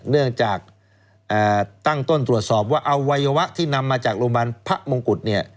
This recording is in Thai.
เนื่องจากตั้งต้นตรวจสอบว่าอวัยวะที่นำมาจากโรงพยาบาลพระมงกุฎเนี่ย